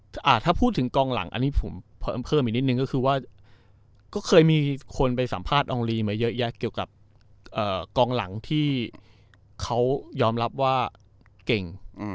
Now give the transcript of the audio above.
ถ้าพูดถึงกองหลังอันนี้ผมเพิ่มอีกนิดนึงก็คือว่าก็เคยมีคนไปสัมภาษณ์อองลีมาเยอะแยะเกี่ยวกับกองหลังที่เขายอมรับว่าเก่ง